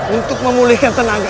untuk memulihkan tenaga